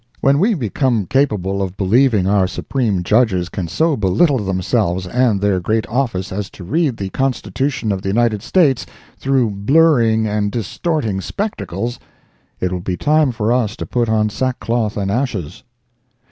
When we become capable of believing our Supreme Judges can so belittle themselves and their great office as to read the Constitution of the United States through blurring and distorting spectacles, it will be time for us to put on sackcloth and ashes.